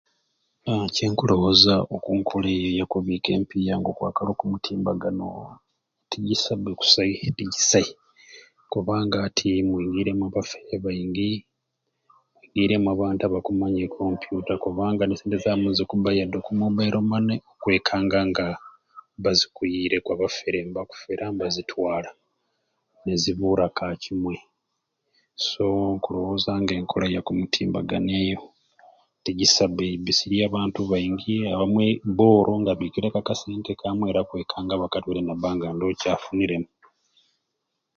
Aaa kyenkulowooza oku nkola eyo eyakubiika empiiya okwakala oku mutimbagano tigyisabe kusai tigyisai kubanga ati mwingiremu abafere baingi abantu abakumanya e computer kubanga ne sente zamu nezikuba yedde oku Mobil money okwabanga nga bazikwiyireku abafere nibakufera nibazitwala nkankyimwei so nkulowooza nga enkola ya kumutimbagano eyo tigyisai be eibisirye abantu baigi abamwei bo nga abikireku aka sente kamwei okwekanga ngabakatwaire nabs nga ndowo kyafuniremu